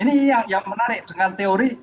ini yang menarik dengan teori